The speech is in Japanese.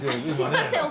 すいません